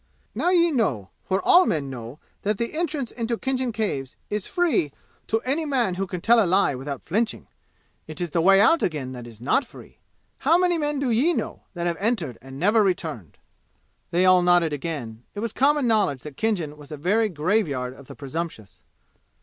"Now ye know for all men know that the entrance into Khinjan Caves is free to any man who can tell a lie without flinching. It is the way out again that is not free. How many men do ye know that have entered and never returned?" They all nodded again. It was common knowledge that Khinjan was a very graveyard of the presumptuous.